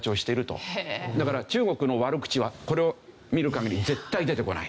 だから中国の悪口はこれを見る限り絶対出てこない。